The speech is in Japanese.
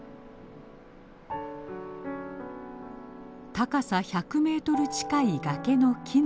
高さ１００メートル近い崖の木の上。